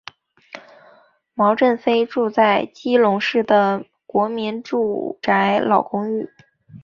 毛振飞住在基隆市的国民住宅老公寓。